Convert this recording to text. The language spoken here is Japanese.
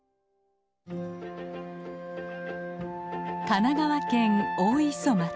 神奈川県大磯町。